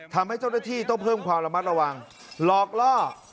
ทำให้เจ้าหน้าที่ต้องเพิ่มความระมัดระวังหลอกล่อ